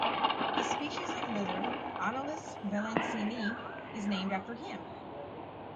A species of lizard, "Anolis valencienni", is named after him.